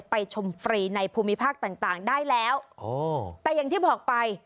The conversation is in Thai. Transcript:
ไปชมฟรีในภูมิภาคต่างได้แล้วแต่อย่างที่บอกไป